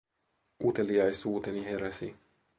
Uteliaisuuteni heräsi.